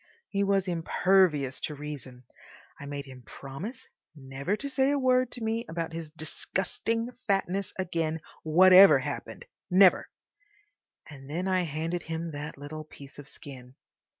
He was impervious to reason. I made him promise never to say a word to me about his disgusting fatness again whatever happened—never, and then I handed him that little piece of skin.